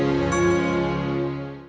aku akan menjaga keamananmu